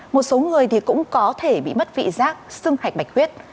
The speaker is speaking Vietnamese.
một số người thì cũng có thể bị mất vị giác sưng hạch bạch huyết